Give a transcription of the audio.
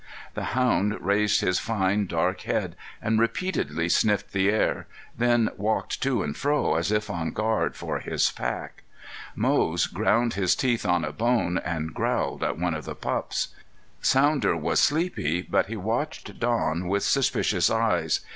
The hound raised his fine, dark head and repeatedly sniffed the air, then walked to and fro as if on guard for his pack. Moze ground his teeth on a bone and growled at one of the pups. Sounder was sleepy, but he watched Don with suspicious eyes.